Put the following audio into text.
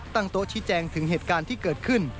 โต๊ะชี้แจงถึงเหตุการณ์ที่เกิดขึ้น